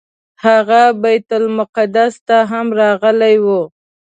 هغه بیت المقدس ته هم راغلی و.